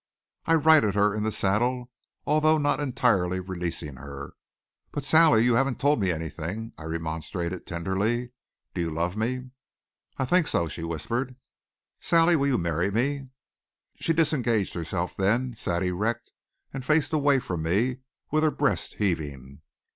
I righted her in the saddle, although not entirely releasing her. "But, Sally, you haven't told me anything," I remonstrated tenderly. "Do you love me?" "I think so," she whispered. "Sally, will you marry me?" She disengaged herself then, sat erect and faced away from me, with her breast heaving.